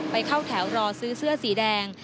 เข้าแถวรอซื้อเสื้อสีแดง